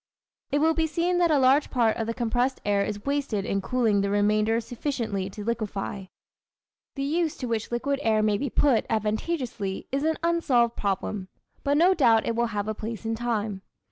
It will be seen that a large part of the compressed air is wasted in cooling the remainder sufficiently to liquefy. The use to which liquid air may be put, advantageously, is an unsolved problem; but no doubt it will have a place in time.